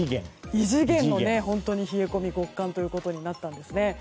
異次元の本当に冷え込み極寒となったんですね。